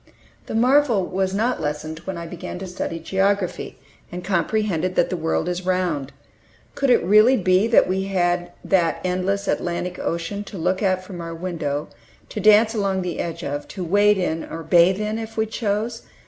The marvel was not lessened when I began to study geography, and comprehended that the world is round. Could it really be that we had that endless "Atlantic Ocean" to look at from our window, to dance along the edge of, to wade into or bathe in, if we chose?